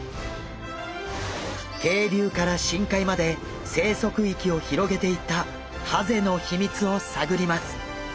渓流から深海まで生息域を広げていったハゼの秘密を探ります。